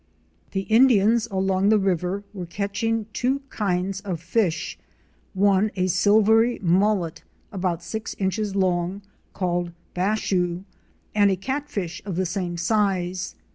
The Indians along the river.were catching two kinds of fish; one a silvery mullet about six inches long called Bashew, and a catfish of the same size.